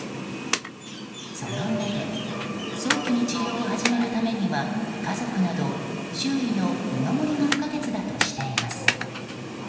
そのうえで早期に治療を始めるためには家族など、周囲の見守りが不可欠だとしています。